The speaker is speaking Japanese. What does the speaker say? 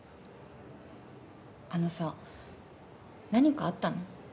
あのさ何かあったの？